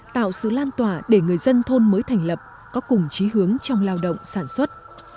tạo sự lan tỏa để người dân thôn mới thành lập có cùng trí hướng trong lao động sản xuất